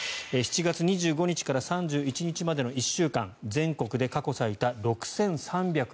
７月２５日から３１日までの１週間全国で過去最多６３０７件。